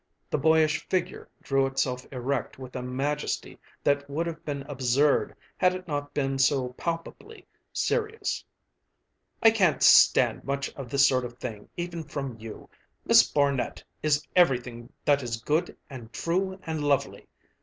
The boyish figure drew itself erect with a majesty that would have been absurd had it not been so palpably serious. "I can't stand much of this sort of thing, even from you. Miss Barnet is everything that is good and true and lovely.